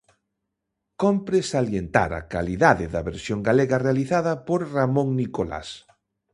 Cómpre salientar a calidade da versión galega realizada por Ramón Nicolás.